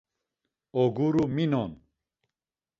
Oguru minon.